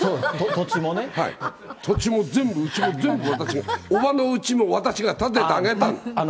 土地も全部うちも全部私が、おばのうちも、私が建ててあげたの。